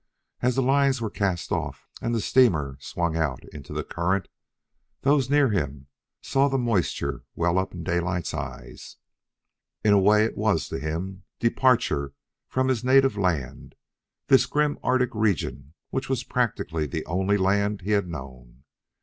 As the lines were cast off and the steamer swung out into the current, those near him saw the moisture well up in Daylight's eyes. In a way, it was to him departure from his native land, this grim Arctic region which was practically the only land he had known.